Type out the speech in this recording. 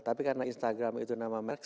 tapi karena instagram itu nama mers